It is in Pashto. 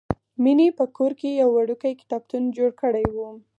مینې په کور کې یو وړوکی کتابتون جوړ کړی و